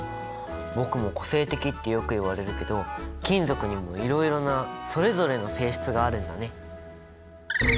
僕も個性的ってよく言われるけど金属にもいろいろなそれぞれの性質があるんだね。